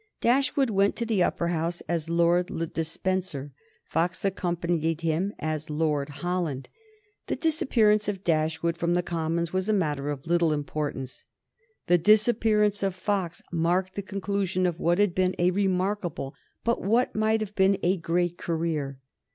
Dashwood went to the Upper House as Lord Le Despencer; Fox accompanied him as Lord Holland. The disappearance of Dashwood from the Commons was a matter of little importance. The disappearance of Fox marked the conclusion of what had been a remarkable, of what might have been a great career.